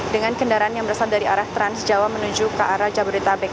dengan kendaraan yang berasal dari arah transjawa menuju ke arah jabodetabek